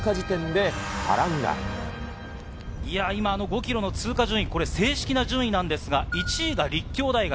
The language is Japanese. いやぁ、今、５キロの通過順位、これ、正式な順位なんですが、１位が立教大学、